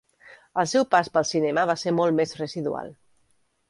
El seu pas pel cinema va ser molt més residual.